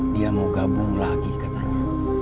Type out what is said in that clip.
dia mau gabung lagi katanya